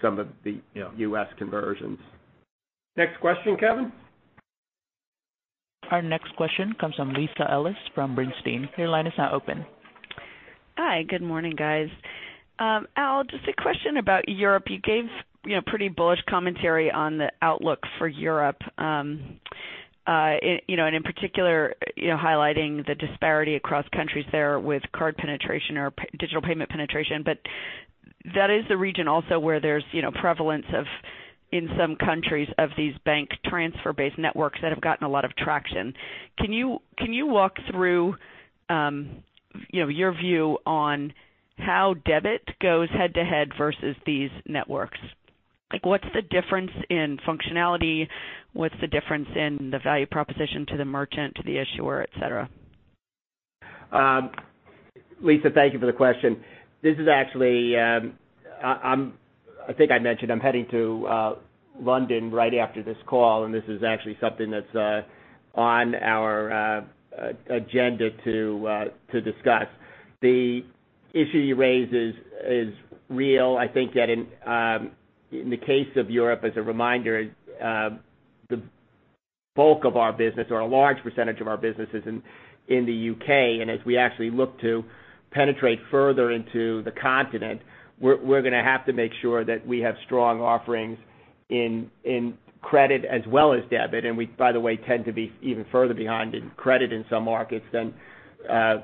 some of. Yeah U.S. conversions. Next question, Kevin. Our next question comes from Lisa Ellis from Bernstein. Your line is now open. Hi. Good morning, guys. Al, just a question about Europe. You gave pretty bullish commentary on the outlook for Europe. In particular, highlighting the disparity across countries there with card penetration or digital payment penetration. That is the region also where there's prevalence in some countries of these bank transfer-based networks that have gotten a lot of traction. Can you walk through your view on how debit goes head-to-head versus these networks? Like, what's the difference in functionality? What's the difference in the value proposition to the merchant, to the issuer, et cetera? Lisa, thank you for the question. I think I mentioned I'm heading to London right after this call, and this is actually something that's on our agenda to discuss. The issue you raise is real. I think that in the case of Europe, as a reminder, the bulk of our business or a large percentage of our business is in the U.K. As we actually look to penetrate further into the continent, we're going to have to make sure that we have strong offerings in credit as well as debit. We, by the way, tend to be even further behind in credit in some markets than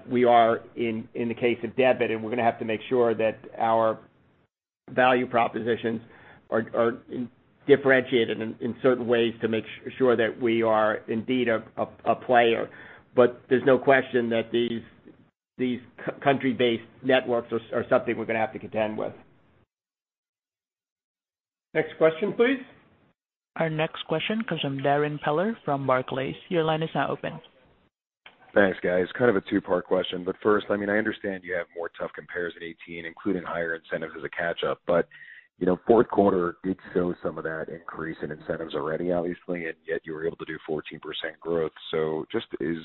we are in the case of debit. We're going to have to make sure that our value propositions are differentiated in certain ways to make sure that we are indeed a player. There's no question that these country-based networks are something we're going to have to contend with. Next question, please. Our next question comes from Darrin Peller from Barclays. Your line is now open. Thanks, guys. Kind of a two-part question, but first, I understand you have more tough compares in 2018, including higher incentives as a catch-up. Fourth quarter did show some of that increase in incentives already, obviously, and yet you were able to do 14% growth. Just is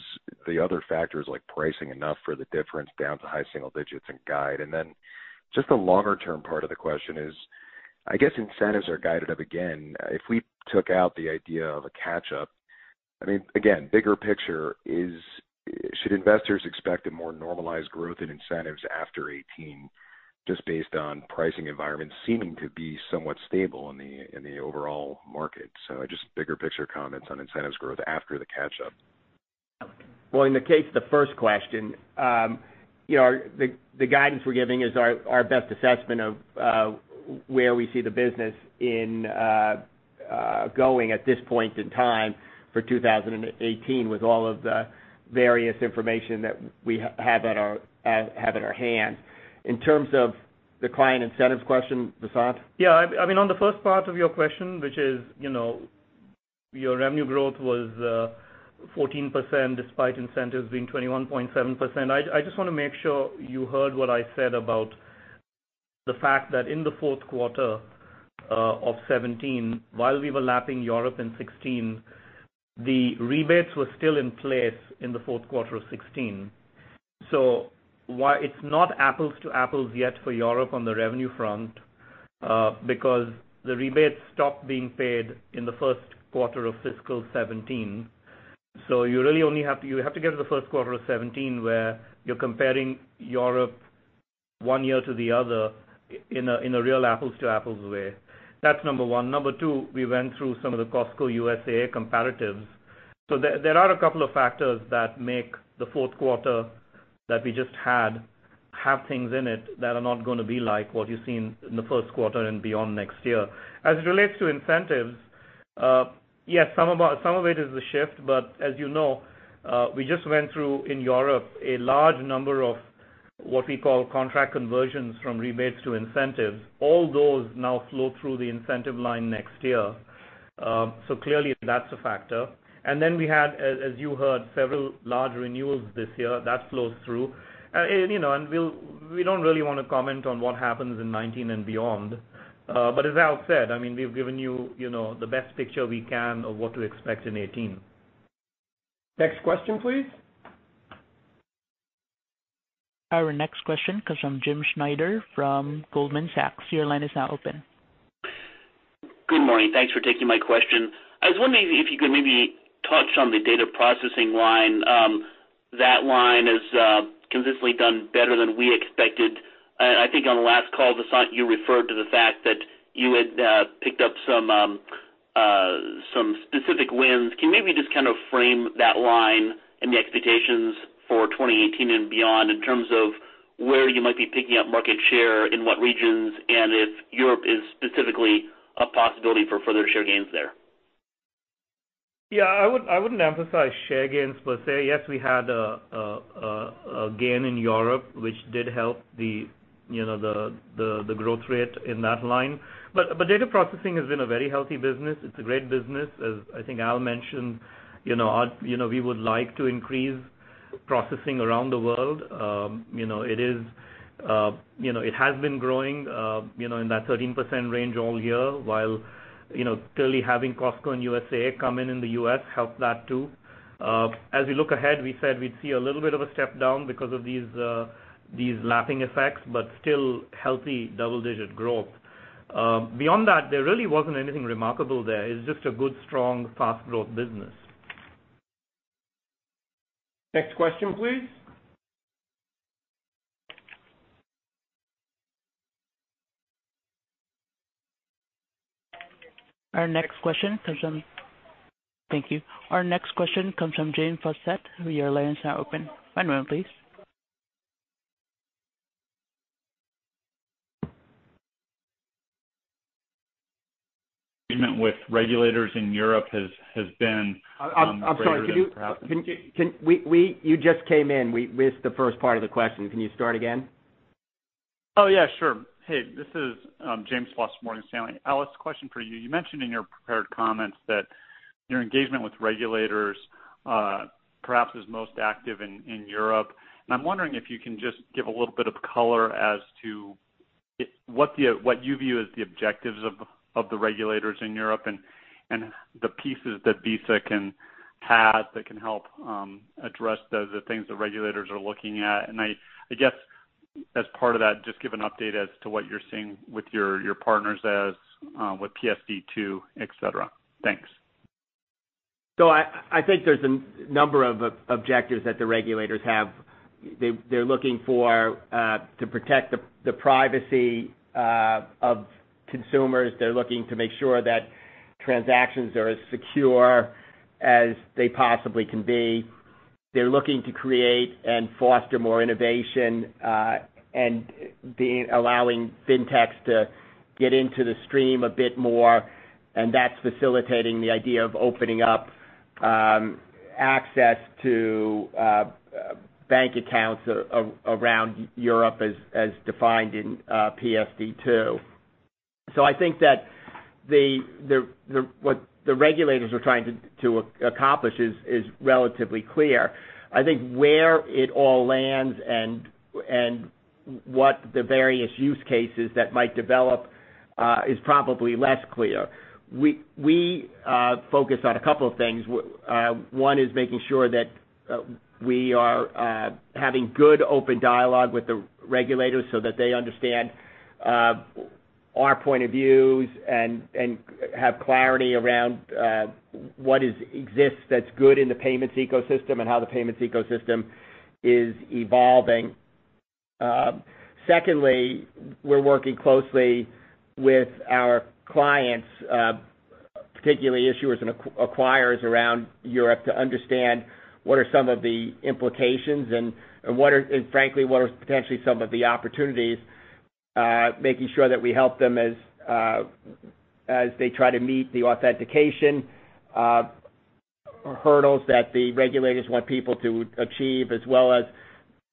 the other factors like pricing enough for the difference down to high single digits and guide? Just the longer-term part of the question is, I guess incentives are guided up again. If we took out the idea of a catch-up, again, bigger picture is should investors expect a more normalized growth in incentives after 2018 just based on pricing environment seeming to be somewhat stable in the overall market? Just bigger picture comments on incentives growth after the catch-up. Well, in the case of the first question, the guidance we're giving is our best assessment of where we see the business going at this point in time for 2018 with all of the various information that we have at our hand. In terms of the client incentives question, Vasant? On the first part of your question, which is your revenue growth was 14%, despite incentives being 21.7%. I just want to make sure you heard what I said about the fact that in the fourth quarter of 2017, while we were lapping Europe in 2016, the rebates were still in place in the fourth quarter of 2016. It's not apples to apples yet for Europe on the revenue front because the rebates stopped being paid in the first quarter of fiscal 2017. You have to get to the first quarter of 2017 where you're comparing Europe one year to the other in a real apples-to-apples way. That's number one. Number two, we went through some of the Costco USA comparatives. There are a couple of factors that make the fourth quarter that we just had, have things in it that are not going to be like what you've seen in the first quarter and beyond next year. As it relates to incentives, yes, some of it is a shift, but as you know we just went through, in Europe, a large number of what we call contract conversions from rebates to incentives. All those now flow through the incentive line next year. Clearly that's a factor. We had, as you heard, several large renewals this year. That flows through. We don't really want to comment on what happens in 2019 and beyond. As Al said, we've given you the best picture we can of what to expect in 2018. Next question, please. Our next question comes from James Schneider from Goldman Sachs. Your line is now open. Good morning. Thanks for taking my question. I was wondering if you could maybe touch on the data processing line. That line has consistently done better than we expected. I think on the last call, Vasant, you referred to the fact that you had picked up some specific wins. Can you maybe just kind of frame that line and the expectations for 2018 and beyond in terms of where you might be picking up market share, in what regions, and if Europe is specifically a possibility for further share gains there? I wouldn't emphasize share gains per se. Yes, we had a gain in Europe, which did help the growth rate in that line. Data processing has been a very healthy business. It's a great business. As I think Al mentioned, we would like to increase processing around the world. It has been growing in that 13% range all year, while clearly having Costco and USAA come in the U.S. help that too. As we look ahead, we said we'd see a little bit of a step down because of these lapping effects, still healthy double-digit growth. Beyond that, there really wasn't anything remarkable there. It's just a good, strong, fast growth business. Next question, please. Thank you. Our next question comes from James Faucette. Your line is now open. One moment please. Agreement with regulators in Europe has been greater than perhaps. I'm sorry. You just came in. We missed the first part of the question. Can you start again? Oh, yeah, sure. Hey, this is James Faucette, Morgan Stanley. Al, question for you. You mentioned in your prepared comments that your engagement with regulators perhaps is most active in Europe, and I'm wondering if you can just give a little bit of color as to what you view as the objectives of the regulators in Europe and the pieces that Visa can have that can help address the things that regulators are looking at. I guess as part of that, just give an update as to what you're seeing with your partners as with PSD2, et cetera. Thanks. I think there's a number of objectives that the regulators have. They're looking for to protect the privacy of consumers. They're looking to make sure that transactions are as secure as they possibly can be. They're looking to create and foster more innovation, and allowing Fintechs to get into the stream a bit more, and that's facilitating the idea of opening up access to bank accounts around Europe as defined in PSD2. I think that what the regulators are trying to accomplish is relatively clear. I think where it all lands and what the various use cases that might develop is probably less clear. We focus on a couple of things. One is making sure that we are having good open dialogue with the regulators so that they understand our point of views and have clarity around what exists that's good in the payments ecosystem and how the payments ecosystem is evolving. Secondly, we're working closely with our clients, particularly issuers and acquirers around Europe, to understand what are some of the implications and frankly, what are potentially some of the opportunities, making sure that we help them as they try to meet the authentication hurdles that the regulators want people to achieve, as well as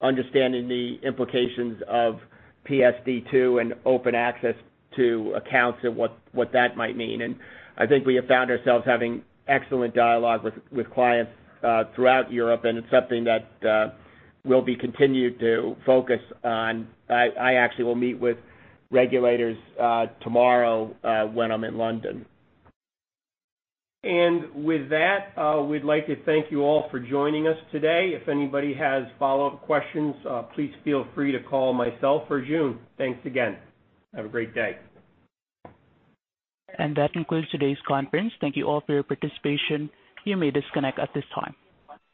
understanding the implications of PSD2 and open access to accounts and what that might mean. I think we have found ourselves having excellent dialogue with clients throughout Europe, and it's something that we'll be continued to focus on. I actually will meet with regulators tomorrow when I'm in London. With that, we'd like to thank you all for joining us today. If anybody has follow-up questions, please feel free to call myself or June. Thanks again. Have a great day. That concludes today's conference. Thank you all for your participation. You may disconnect at this time.